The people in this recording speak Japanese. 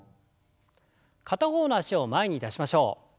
片方の脚を前に出しましょう。